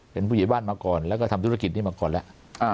เป็นผู้ใหญ่บ้านมาก่อนแล้วก็ทำธุรกิจนี้มาก่อนแล้ว